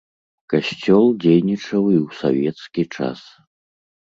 Касцёл дзейнічаў і ў савецкі час.